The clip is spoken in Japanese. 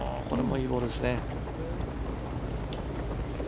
これもいいボールですね。